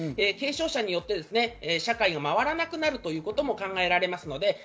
軽症者によって社会が回らなくなるということも考えられます。